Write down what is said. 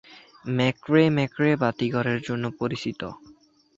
McCrae McCrae বাতিঘরের জন্য পরিচিত।